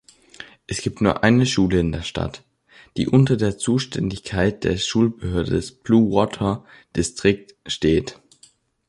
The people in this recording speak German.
Es gibt nur eine Schule in der Stadt, die unter der Zuständigkeit der Schulbehörde des Bluewater District steht.